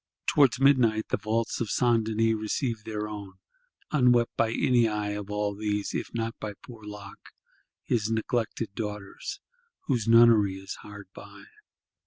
Towards midnight the vaults of St. Denis receive their own; unwept by any eye of all these; if not by poor Loque his neglected Daughter's, whose Nunnery is hard by.